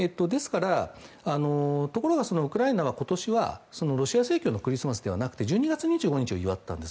ところがウクライナは今年はロシア正教のクリスマスではなく１２月２５日を祝ったんです。